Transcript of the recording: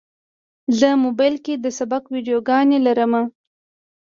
زه موبایل کې د سبق ویډیوګانې لرم.